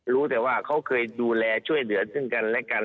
รู้แต่ว่าเขาเคยดูแลช่วยเหลือซึ่งกันและกัน